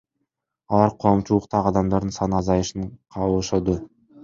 Алар коомчулуктагы адамдардын саны азайышын каалашууда.